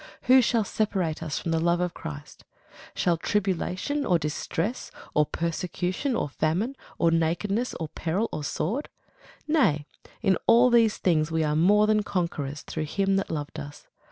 Who shall separate us from the love of Christ? shall tribulation, or distress, or persecution, or famine, or nakedness, or peril, or sword? Nay, in all these things we are more than conquerors through him that loved us.